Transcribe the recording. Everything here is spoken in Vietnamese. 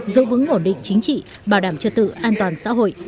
giữ vững ổn định chính trị bảo đảm trật tự an toàn xã hội